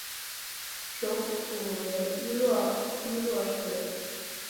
首府为伊洛伊洛市。